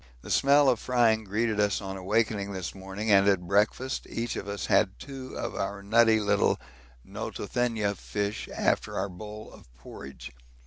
The smell of frying greeted us on awaking this morning, and at breakfast each of us had two of our nutty little Notothenia fish after our bowl of porridge.